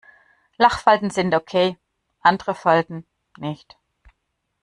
Lachfalten sind okay, andere Falten nicht.